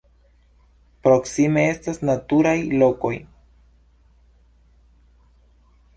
Proksime estas naturaj lokoj.